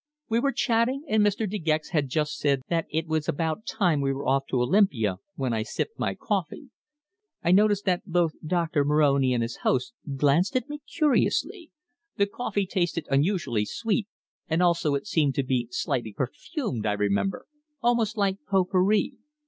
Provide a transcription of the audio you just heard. "We were chatting, and Mr. De Gex had just said that it was about time we were off to Olympia, when I sipped my coffee. I noticed that both Doctor Moroni and our host glanced at me curiously. The coffee tasted unusually sweet, and also it seemed to be slightly perfumed, I remember, almost like pot pourri.